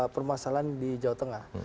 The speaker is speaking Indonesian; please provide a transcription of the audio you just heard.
permasalahan di jawa tengah